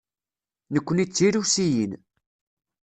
Nekkni d Tirusiyin.